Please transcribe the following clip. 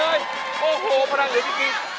เดี๋ยวพวกเลยเหลือที่กีล